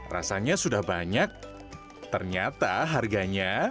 rasanya sudah banyak ternyata harganya